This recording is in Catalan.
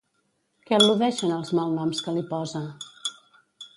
Què al·ludeixen els malnoms que li posa?